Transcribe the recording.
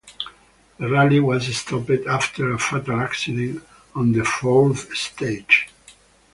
The rally was stopped after a fatal accident on the fourth stage.